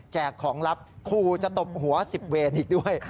แจกของลับคูจะตบหัวสิบเวนอีกด้วย